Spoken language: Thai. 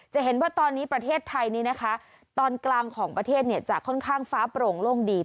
จะเห็นว่าตอนนี้ประเทศไทยนี้นะคะตอนกลางของประเทศจะค่อนข้างฟ้าโปร่งโล่งดี